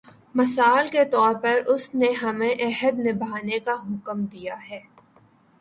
مثال کے طور پر اس نے ہمیں عہد نبھانے کا حکم دیا ہے۔